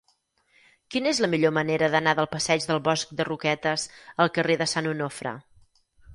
Quina és la millor manera d'anar del passeig del Bosc de Roquetes al carrer de Sant Onofre?